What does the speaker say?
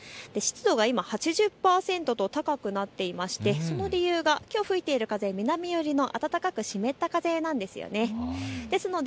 湿度が今８０％と高くなっていまして、その理由がきょう吹いている風、南寄りの暖かく湿った風なんです。